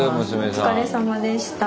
お疲れさまでした。